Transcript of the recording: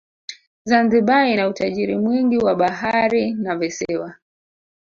zanzibar ina utajiri mwingi wa bahari na visiwa